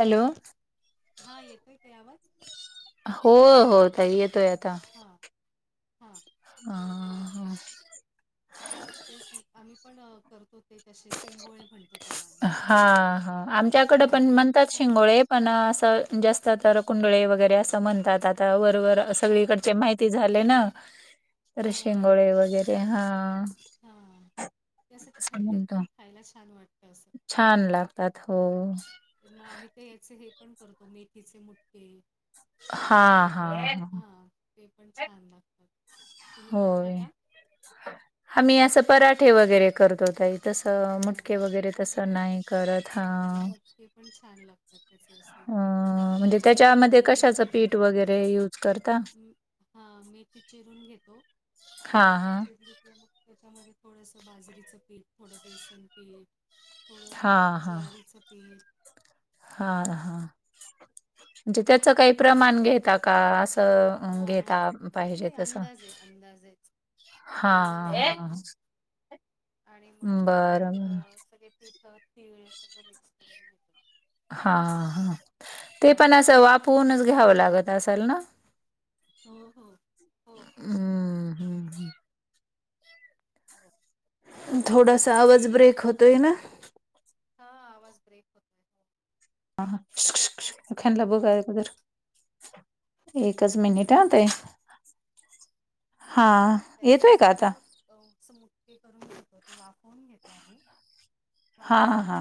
Hello. हा येतोय का आवाज? हो हो ताई येतोय आता. हां. हां. हा. अ, तेच मग आम्ही पण करतो ते तसे शेंंगोळे म्हणतो. त्याला आम्ही मग. हा हा आमच्याकडे पण हां, म्हणतात हां, शिंगोळे पण असं जास्त तर कुंडळे वगैरे असं म्हणतातात. वर वर चे हां, सगळीकडचे हां, माहिती झाले ना तर शिंगोळे वगैरे. हा. हा ते असं थंडीत पण खायला छान वाटतं असं. छान लागतात हो. मग आम्ही ते याचे हे पण करतो मेथीचे मुटके अ हा ते हा पण हा ते पण छान लागतात तुम्ही करता होय का? आम्ही असं पराठे वगैरे करतो ताई. तसं मुटके पराठे वगैरे तसं नाही करत. हां... ते पण छान लाग अ म्हणजे ते त्याच्यामध्ये मेथी कशाचं चिरून पीठ वगैरे युज करता? म- हा मेथी चिरून घेतो हा मेथी हा चिरली तर मग त्याच्यामध्ये थोडसं बाजरीचं पीठ, थोडं बेसन पीठ. थोडं हां, ज्वारीचं पीठ. हा. हा.. म्हणजे त्याचं काही प्रमाण घेता का? असं अ, हां.. हा.. घेता पाहिजे नाही तसं? अंदाजे आहे अंदाजेच. हां, अंदाजे हां. घेतो आणि मग बरं, ते त्याच्यात बरं. सगळे पीठ त्यात तीळ सगळं मिक्स करून घेतो. हा.. ह. ते हां पण असं वाफवूनच आणि घ्यावं लागत असेल ना? हो हो हो हं, हं, हं. हो थोडासा आवाज ब्रेक होतोय ना. हा आवाज ब्रेक होतो. ह शुक-शुक-शुक अ, खाल्लं बो [unintelligible] एकच मिनिट अं ताई....... हा. त्याचे असे ना मग स्मूथली करून घेतो, ते वाफवून घेतो आम्हीं. हा हा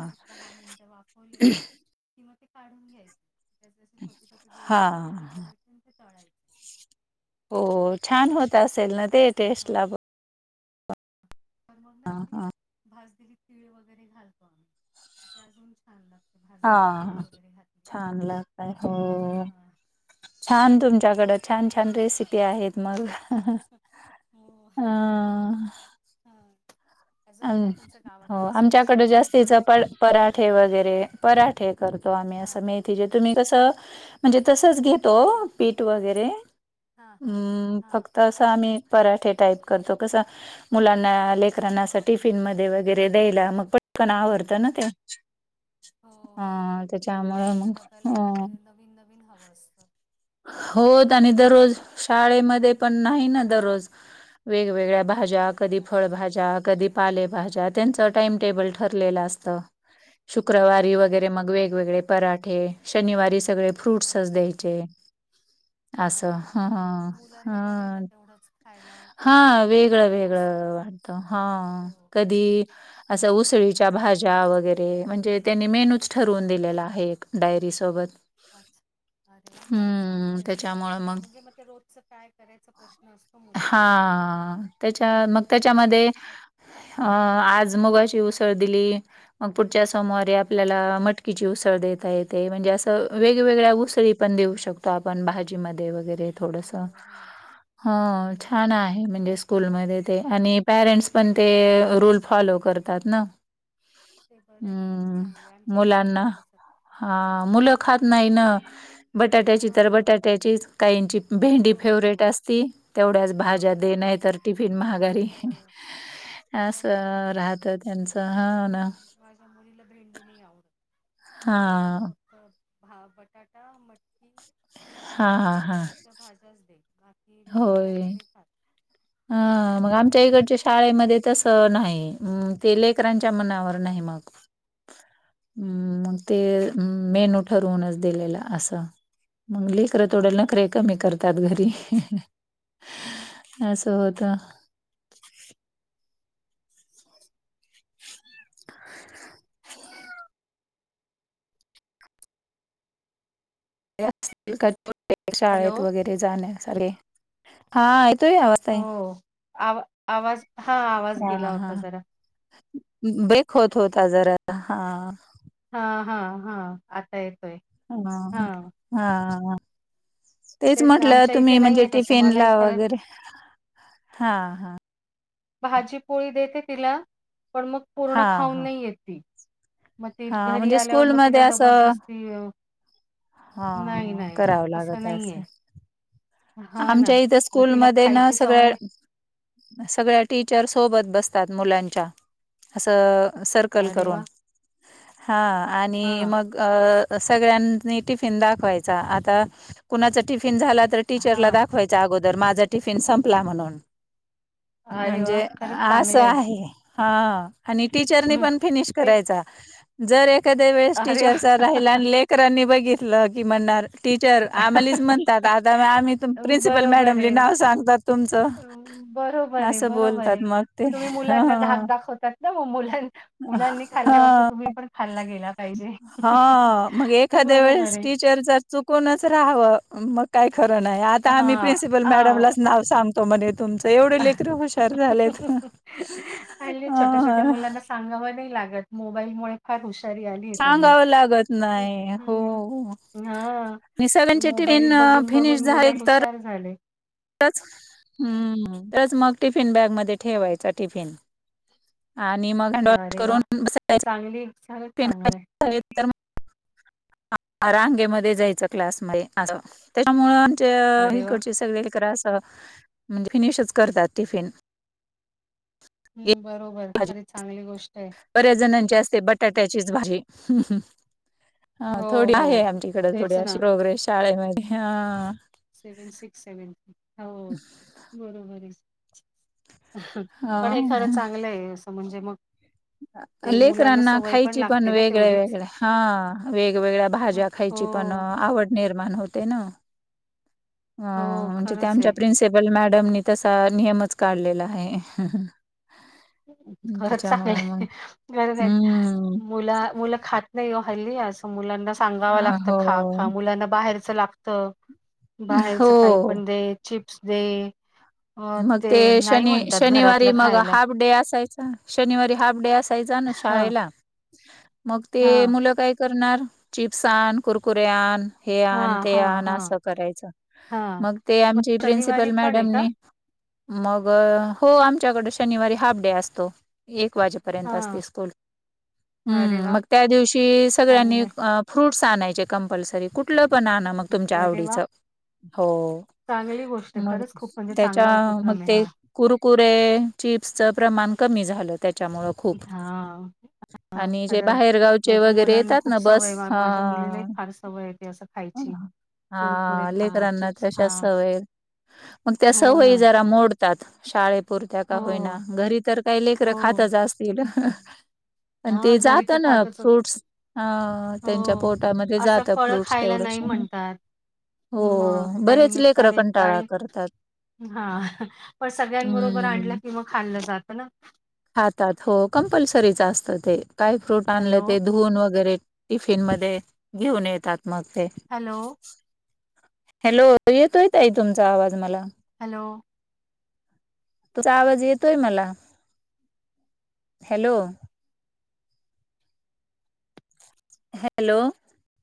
किंवा ते काढून घ्यायचे जसे- जसे, छोटे -छोटे, गोल -गोल तुकडे हां, करायचे आणि ते तळायचे. हो असं छान होत असेल ना ते हां टेस्टला पण. तर मग ना हां, अशी हां. भाजलेली तिळ वगैरे घालतो आम्ही ते अजून छान लागतं. हां.. हा छान लागतंय हो, हां छान तुमच्याकडं छान- छान रेसिपी आहेत मग..... हो अ हां अजून अन् काय तुमच्या हो गावाकडे स्पेशल आमच्याकडं तिकडे जास्तीच प पराठे वगैरे पराठे. करतो आम्ही अस हां मेथीचे, तुम्ही कसं म्हणजे तसच घे तो हां पीठ वगैरे हां हां हूं.. हां फक्त असं आम्ही पराठे टाईप करतो, कसं मुलांना लेकरांना असं टिफिनमध्ये वगैरे द्यायला मग पटकन हो आवरत ना ते हो हो अ त्याच्यामुळे त्यांना तर मग डब्याला आता अ ते नवीन नवीन हवं असतं. होत भाजीपोळी आणि दररोज नकोय शाळेमध्ये पण नाही ना हो दररोज वेगवेगळ्या भाज्या, काय कधी देणार फळभाज्या, कधी पालेभाज्या त्यांचं हो टाइमटेबल ठरलेलं असतं. हो शुक्रवारी वगैरे मग वेगवेगळे पराठे, शनिवारी सगळे फ्रूट्सच अच्छाच द्याय चे. असं अरे वा ह पण मुलांना बरं आहे ना ह तेवढंच खायला हा तेवढं वेगळं मिळतं ना असं -वेगळं वाटत. हा हो कधी अस मग मुलं उसळीच्या भाज्या ज्या वगैरे म्हणजे त्यांनी मेनूच ठरवून हां दिलेला आहे एक डायरी सोबत. अच्छा. हूं... चांगलंय म्हणजे मग ते रोजच काय करायचा प्रश्न असतो हा मुलांना. त्याच्या मग तर हे त्याच्यामध्ये असतं अ आज मुगाची उसळ दिली, मग पुढच्या सोमवारीे हां आपल्याला मट कीची उसळ देता येते म्हणजे असं वेगवेगळ्या हां उसळी पण देऊ शकत तो आपण भाजी मध्ये वगैरे हो थोडसं हो ते हं बरं छान आहे म्हणजे [inaudible] स्कूलमध्ये ते हा आणि पॅरेंट्स पण ते रूल फॉलो करतात ना. ते बरं एकतरच अं, चांगले आहे. आमच्या इथे नाही येत असत. हा मुलं खात नाही ना. बटाट्याची तर हां. बटाट्याची काहींची हो, भेंडी फेवरेट हो. असती. तेवढ्याच हो. भाज्या दे नाही तर टिफिन महागारी हो, हो. खरंच असं आहे ना. राहतं त्यांचं [inaudible] हो ना. माझ्या मुलीला भेंडी नाही आवडत. तिला हां. फक्त [inaudible] बटाटा मटकी हां, हां, फ्लॉवर हां. अशा भाज्याच दे ती दुसऱ्या भाज्या नाही खात. हा मग तिला आमच्या इकडच्या असंच खरं तर शाळेमध्ये तस नाही ते लेकरांच्या मनावर नाही मग. हम्.. मग ते मेनू ठरवूनच दिलेलं असं. मग लेकरं तोडेल [inaudible] नके कमी करतात. घरी असं होतं. [unintelligible] [inaudible] हॅलो. शाळेत वगैरे जाण्या सारे हां येतोय आवाज. ताई? हो आवा आवाज हां, आवाज हा गेला हा होता जरा. ब्रेक होत होता. जरा हा.. हा. हा. हा. आता येतोय. हा. हां. हा. तेच ना म्हटलं आमच्या तुम्ही इथे म्हणजे. नाहीये तसं. टिफिन मलाही ला खरं वगैरे हां. हां... भाजी पोळी देते तिला, पण मग पूर्ण हा खाऊन हा नाही येत ती. मग ती हा घरी म्हणजे आल्यावर मग स्कूलमध्ये तिला असं जबरदस्ती अ, नाही हा नाही करावं तसं लागत नाहीये. असं. हा ना आमच्या इथं मग तिला स्कूलमध्ये ना खायची सगळ्या सवय सगळ्या टीचर सोबत बसतात मुलांच्या असं सर्कल अरे करून, वा हां आणि हा मग. अ सगळ्यांनी टिफिन दाखवायचा. आता कुणाचा टिफिन झाला तर टीचरला हा. दाखवायचा अगोदर, माझा टिफिन संपला म्हणून. अरे म्हणजे वा खरंच असं चांगलंय आहे. हा आणि टीचरनी हम्म पण फिनिश ते करायचा जर एक एखाद्या वेळेस अरे टीचर सर वा राहिला. आणि लेकरांनी बघितलं की म्हणणार टीचर आम्हालाच म्हणतात. आता आमी प्रिन्सिपल बरोबर मॅडमली आहे. नाव सांगतात तुमचं. अं, बरोबर आहे, असं बरोबर बोलतात आहे. मग ते तुम्ही मुलांना धाक ह दाखवतात. ना मग मुलांना मुलांनी ह खाल्ल्यावरती तुम्ही पण खाल्ला गेला. पाहिजे. हा! मग एखाद्या बरोबर वेळेस आहे. टीचर जर चुकूनच राहावं मग काही खरं नाही. आता आम्ही हां, प्रिन्सिपल मॅडमलाच हां. नाव सांगतो म्हणे. तुमचं एवढं लेकर हुशार झालंत हल्ली छोट्या-छोट्या अ.. मुलांना सांगावं नाही लागत. मोबाईलमुळे फार हुशारी आलीय त्यांना सांगावं लागत नाही हो. आणि हा. ते सगळ्यांचे मोबाईल टिफिन अ, बघून, बघून मुलं हुशार झाले. [inaudible] च हम्म, [inaudible] तरच मग टिफिन बॅग मध्ये ठेवायचा टिफिन. आणि मग हँड वॉश अरे करून वाह! चांगली खरंच चांगलं आहे. [unintelligible] [inaudible] रांगेमध्ये जायच क्लास [inaudible] म त्याच्यामुळे [inaudible] हे अरे वाह! हिकडची सगळं अस म्हणजे फिनिशच करतात. टिफिन... एक हम् बरोबर, भाजी खरी चांगली गोष्टय. बऱ्याच जणांची आसते, बटाट्याचीच भाजी. हा हो, थोडी हो. आहे आमच्याकड थोडी तेच ना अशी प्रोग्रेस शाळेमध्ये हा.. आ.. सेवेन सिक्स सेवेन. हाव बरोबरे. पण हा. हे खरं चांगलंय. असं म्हणजे मग हा. ते मुलांना लेकरांना सवय खायची पण, लागते ना वेगळ्या तेवढीच. वेगळ्या हा वेगवेगळ्या भाज्या खायची पण हो, आवड निर्माण होते न. हा.. हो आ म्हणजे त्या खरंच आमच्या आहे. प्रिन्सिपल मॅडमनी तसा नियमच काढलेला आहे. खरच त्याच्यामुळे मग चांगलंय, गरज आहे. हम्म. मुला मुलं खात नाही ओ हल्ली असं मुलांना सांगावं अ, लागत हो, खा खा मुलांना बाहेरच लागत. बाहेरच काही हो. पण दे. चिप्स दे. अ, मग ते नाही शनी, म्हणतात शनिवारी घरातलं मग खायला. हाफ डे असायच शनिवारी हाफ डे असायचा न हां, शाळेला. मग हां. ते, मुलं काय करणार चिप्स आण कुरकुरे आण हे आण हां, ते हां, आण हां, आसं करायचं. हां. मग ते आमची शनिवारी प्रिन्सिपल पण आहे का? मॅडमनी मग.. अ हो आमच्याकडं शनिवारी हाफ डे असतो. एक वाजे पर्यंत असते हां. स्कुल. अरे ह्म. वाह! मग त्या दिवशी इ चांगलं सगळ्यांनी आहे. आप फ्रुट्स आणायचे कंम्पल्सरी कुठलं पण आण ना मग तुमच्या अरे आवडीच. वाह! हो चांगली गोष्ट आहे. मग खरंच खूप म्हणजे त्या चा चांगला मग उपक्रम आहे ते हा. कुरकुरे, चिप्सच प्रमाण कमी झालं त्याच्यामुळ हा.. आ. हा खरं आहे. बाहेरगावचे नाही त वगैरे मुलांना येतात खूप ना बस सवयय हा माझ्या मुलीलाही फार सवयय ते असं खायची. कुरकुरे हा खा. लेकरांना चिप्स तशा खा. सवय मग त्या हो सवयी ना. जरा मोडतात, शाळे पुुरत्या का हो, होईना. घरी तर काही लेकरे हो. खातच आस [unintelligible] पण ते हां, घरी जात तर न खातच फ्रूटस हाव. त्यांच्या हो. पोटामध्ये असं जात फळं फ्रूट्स खायला तेवढ श नाही. म्हणतात. हो. मग बरेच लेकर कंटाळा करतात. हा. पण सगळ्यांबरोबर आणलं की मग खाल्लं जात न. हातात हो कंम्पल्सरीच आसतं ते. काय फ्रूट हॅलो, आणलं ते धुवून वगैरे, टिफिन मध्ये घेऊन येतात मग ते. हॅलो. हॅलो तो येतोय ताई तुमचा आवाज मला. हॅलो. तुझा आवाज येतोय मला. Hello hello.